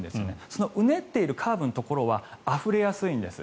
そのうねっているカーブのところはあふれやすいんです。